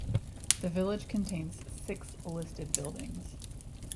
The village contains six listed buildings.